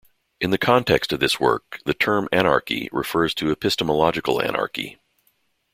In the context of this work, the term anarchy refers to epistemological anarchy.